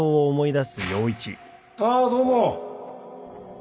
ああどうも